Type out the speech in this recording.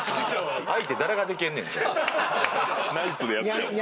ナイツでやってよ。